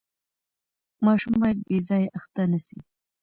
ماشوم باید بې ځایه اخته نه سي.